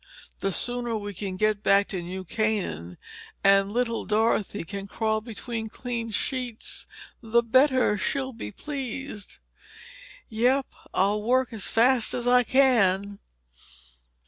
The sooner we can get back to New Canaan and Little Dorothy can crawl between clean sheets, the better she'll be pleased!" "Yep. I'll work as fast as I can."